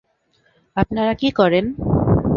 আপনারা কী করেন?